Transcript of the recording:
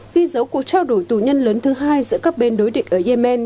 ghi dấu cuộc trao đổi tù nhân lớn thứ hai giữa các bên đối địch ở yemen